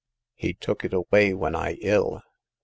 257 He took it away when I ill."